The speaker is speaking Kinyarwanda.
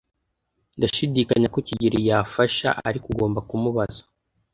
Ndashidikanya ko kigeli yafasha, ariko ugomba kumubaza.